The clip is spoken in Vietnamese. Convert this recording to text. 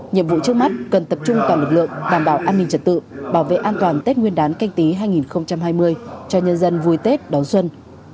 nhiệm vụ trước mắt cần tập trung toàn lực lượng đảm bảo an ninh trật tự bảo vệ an toàn tết nguyên đán canh tí hai nghìn hai mươi cho nhân dân vui tết đón xuân